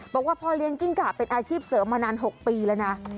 บอกว่าพ่อเลี้ยงกิ้งกะเป็นอาชีพเสริมมานาน๖ปีแล้วนะ